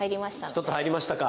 １つ入りましたか。